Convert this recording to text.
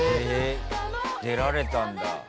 へえ出られたんだ。